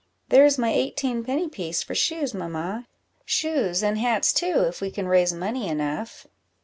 there is my eighteen penny piece for shoes, mamma shoes, and hats too, if we can raise money enough."